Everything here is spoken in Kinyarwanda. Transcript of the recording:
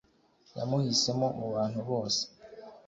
yamuhisemo mu bantu bose